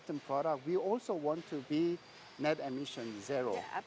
yang tidak mengandung emisi rendah